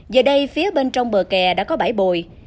giờ đây phía bên trong bờ kè đã có bãi bồi